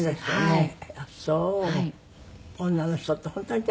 はい。